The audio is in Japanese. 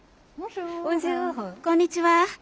こんにちは。